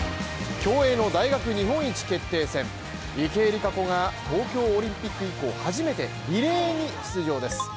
競泳の大学日本一決定戦池江璃花子が東京オリンピック以降初めてリレーに出場です。